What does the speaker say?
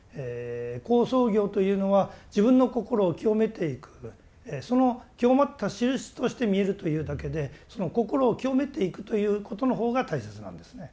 好相行というのは自分の心を清めていくその清まったしるしとして見えるというだけでその心を清めていくということのほうが大切なんですね。